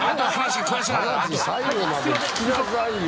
話最後まで聞きなさいよ。